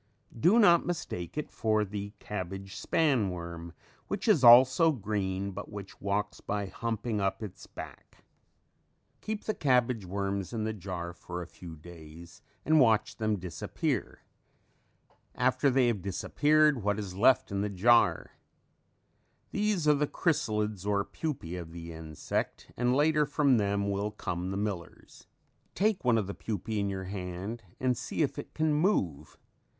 Do not mistake it for the cabbage span worm which is also green, but which walks by humping up its back. [Illustration: Cabbage miller on red clover blossom.] Keep the cabbage worms in the jar for a few days and watch them disappear. After they have disappeared, what is left in the jar? These are the chrysalids or pupae of the insect and later from them will come the millers. Take one of the pupae in your hand and see if it can move.